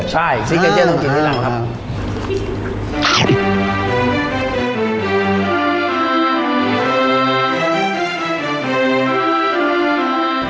พี่เก้เจ๊ต้องกินด้วยหลังครับ